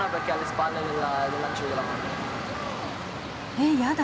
えっやだ。